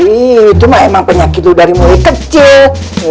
iiii itu emang penyakit lu dari mulia kecil